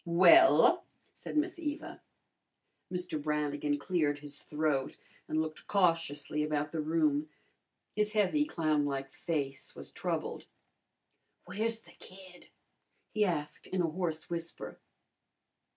"Well?" said Miss Eva. Mr. Brannigan cleared his throat and looked cautiously about the room. His heavy, clownlike face was troubled. "Where's the kid?" he asked in a hoarse whisper.